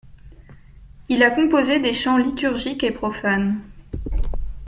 Il a composé des chants liturgiques et profanes.